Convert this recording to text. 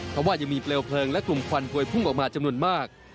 เพราะว่ายังมีเปลวเพลิงและกลุ่มควันกวยพุ่งออกมาจำนวนมาก